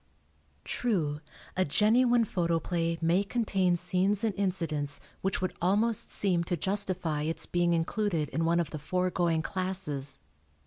] True, a genuine photoplay may contain scenes and incidents which would almost seem to justify its being included in one of the foregoing classes.